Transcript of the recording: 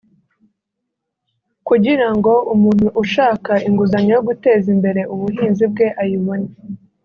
kugira ngo umuntu ushaka inguzanyo yo guteza imbere ubuhinzi bwe ayibone